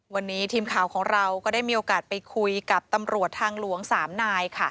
วันนี้ทีมข่าวของเราก็ได้มีโอกาสไปคุยกับตำรวจทางหลวง๓นายค่ะ